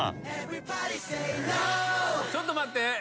ちょっと待って。